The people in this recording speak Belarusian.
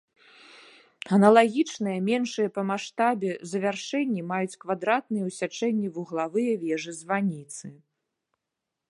Аналагічныя меншыя па маштабе завяршэнні маюць квадратныя ў сячэнні вуглавыя вежы-званіцы.